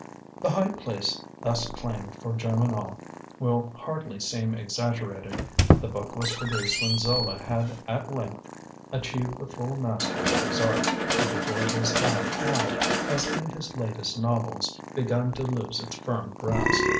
The high place thus claimed for Germinal will hardly seem exaggerated. The book was produced when Zola had at length achieved the full mastery of his art and before his hand had, as in his latest novels, begun to lose its firm grasp.